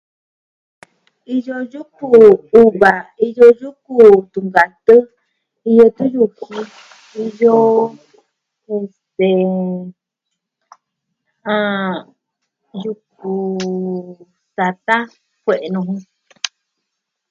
Iyo yuku uva, iyo yuku tunkatɨ, iyo tuyujii iyo... este... ah... yuku tatan, kue'e nuu jun.